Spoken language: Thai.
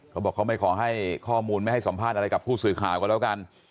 เขาบอกเขาไม่ขอให้ข้อมูลไม่ให้สัมภาษณ์อะไรกับผู้สื่อข่าวก็แล้วกัน